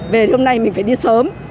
về thì hôm nay mình phải đi sớm